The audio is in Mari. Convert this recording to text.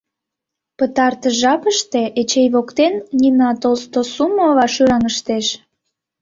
Пытартыш жапыште Эчей воктен Нина Толстосумова шӱраҥыштеш...